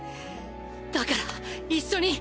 だから一緒に！